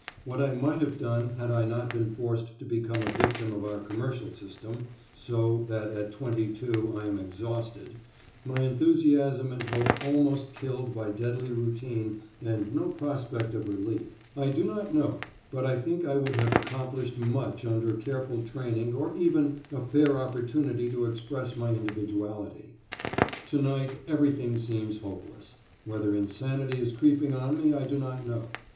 What I might have done had I not been forced to become a victim of our commercial system (so that at twenty two I am exhausted, my enthusiasm and hope almost killed by deadly routine and no prospect of relief), I do not know, but I think I would have accomplished much under careful training or even a fair opportunity to express my individuality. To night everything seems hopeless whether insanity is creeping on me I do not know.